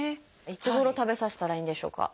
いつごろ食べさせたらいいんでしょうか？